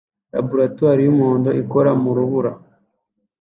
Laboratoire yumuhondo ikora mu rubura